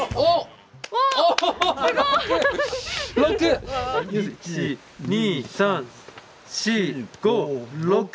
６！１２３４５６。